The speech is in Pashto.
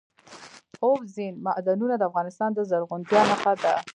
اوبزین معدنونه د افغانستان د زرغونتیا نښه ده.